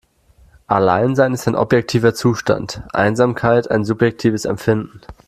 Alleinsein ist ein objektiver Zustand, Einsamkeit ein subjektives Empfinden.